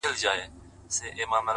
هوا ژړيږي له چينار سره خبرې کوي”